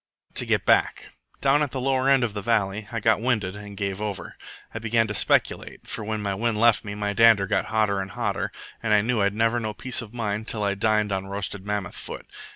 "But to get back. Down at the lower end of the valley I got winded and gave over. I began to speculate, for when my wind left me my dander got hotter and hotter, and I knew I'd never know peace of mind till I dined on roasted mammoth foot.